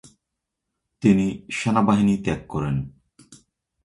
তিনি সেনাবাহিনী ত্যাগ করেন।